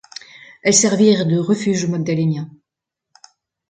Elles servirent de refuge au Magdalénien.